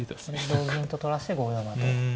同銀と取らして５四馬と。